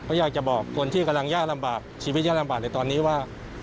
ก็อยากจะบอกคนที่กำลังยากลำบากชีวิตยากลำบากในตอนนี้ว่า